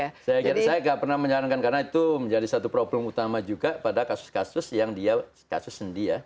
saya kira saya nggak pernah menyarankan karena itu menjadi satu problem utama juga pada kasus kasus yang dia kasus sendi ya